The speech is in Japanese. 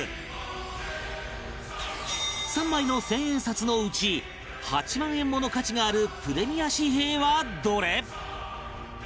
３枚の千円札のうち８万円もの価値があるプレミア紙幣はどれ？